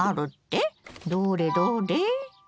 どれどれ？